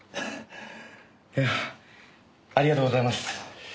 ありがとうございます。